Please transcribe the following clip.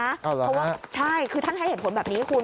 เอ้าเหรอครับใช่คือท่านให้เหตุผลแบบนี้คุณ